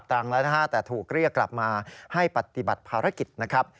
แต่ถูกเรียกกลับมาให้ปฏิบัติภารกิจนะครับ